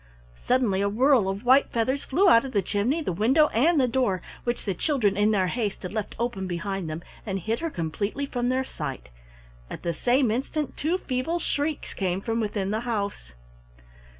Suddenly a whirl of white feathers flew out of the chimney, the window and the door, which the children in their haste had left open behind them, and hid her completely from their sight. At the same instant two feeble shrieks came from within the house.